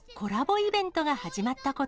イベントが始まったこと。